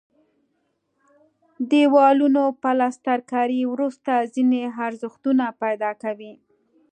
د دیوالونو پلستر کاري وروسته ځینې ارزښتونه پیدا کوي.